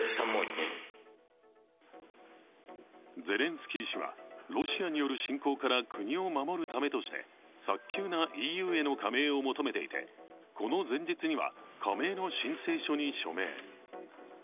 ゼレンスキー氏はロシアによる侵攻から国を守るためとして早急なＥＵへの加盟を求めていてこの前日には加盟の申請書に署名。